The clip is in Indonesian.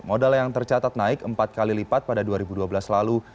modal yang tercatat naik empat kali lipat pada dua ribu dua belas lalu